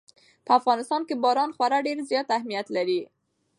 په افغانستان کې باران خورا ډېر زیات اهمیت لري.